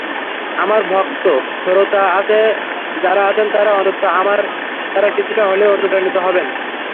আমার ভক্ত-শ্রোতা যাঁরা আছেন, তাঁরা অন্তত আমার দ্বারা কিছুটা হলেও অনুপ্রাণিত হবেন।